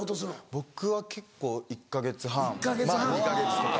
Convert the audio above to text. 僕は結構１か月半まぁ２か月とか。